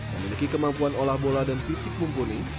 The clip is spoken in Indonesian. memiliki kemampuan olah bola dan fisik mumpuni